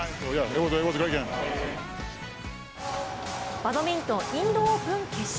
バドミントンインドオープン決勝。